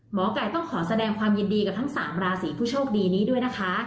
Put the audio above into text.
หมอไก่ต้องขอแสดงความยินดีกับทั้ง๓ราศีผู้โชคดีนี้ด้วยนะคะ